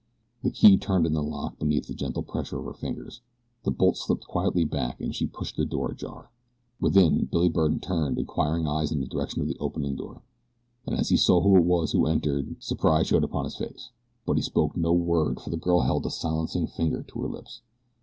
The key turned in the lock beneath the gentle pressure of her fingers, the bolt slipped quietly back and she pushed the door ajar. Within, Billy Byrne turned inquiring eyes in the direction of the opening door, and as he saw who it was who entered surprise showed upon his face; but he spoke no word for the girl held a silencing finger to her lips.